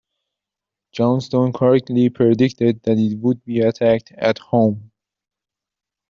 Johnston correctly predicted that he would be attacked at home.